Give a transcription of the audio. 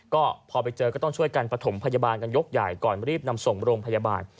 ก็พอไปเจอก็ต้องช่วยกันประถมพยาบาลกันยกใหญ่ก่อนรีบนำส่งโรงพยาบาล